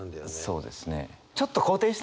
そうですね。